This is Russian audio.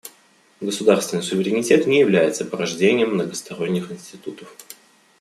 Государственный суверенитет не является порождением многосторонних институтов.